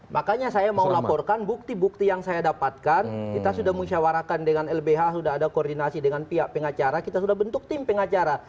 makanya saya mau laporkan bukti bukti yang saya dapatkan kita sudah mengusyawarakan dengan lbh sudah ada koordinasi dengan pihak pengacara kita sudah bentuk tim pengacara